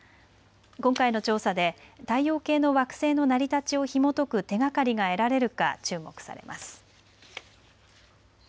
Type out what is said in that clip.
今回の調査で太陽系の惑星の成り立ちをひもとく手がかりが得られるか注目されます。